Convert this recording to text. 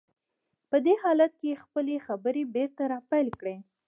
په دې حالت کې يې خپلې خبرې بېرته را پيل کړې.